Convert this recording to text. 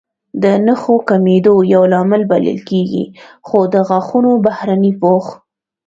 د نښو کمېدو یو لامل بلل کېږي، خو د غاښونو بهرنی پوښ